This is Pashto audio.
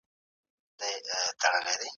ایا کورني سوداګر انځر اخلي؟